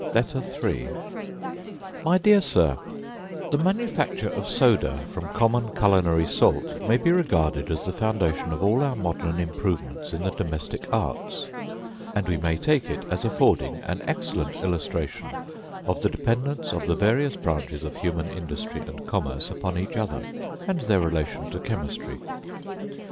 LETTER III My dear Sir, The manufacture of soda from common culinary salt, may be regarded as the foundation of all our modern improvements in the domestic arts; and we may take it as affording an excellent illustration of the dependence of the various branches of human industry and commerce upon each other, and their relation to chemistry.